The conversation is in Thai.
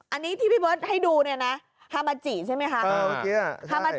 อันนี้ที่พี่เบิร์ตให้ดูเนี่ยนะฮามาจิใช่ไหมคะ